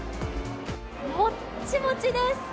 もっちもちです。